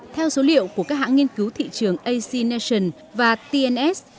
theo số liệu của các hãng nghiên cứu thị trường ac nation và tns